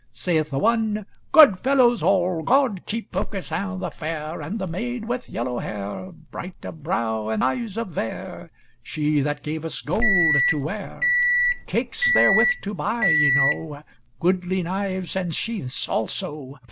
Saith the one, "Good fellows all, God keep Aucassin the fair, And the maid with yellow hair, Bright of brow and eyes of vair. She that gave us gold to ware. Cakes therewith to buy ye know, Goodly knives and sheaths also.